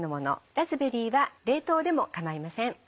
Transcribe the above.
ラズベリーは冷凍でも構いません。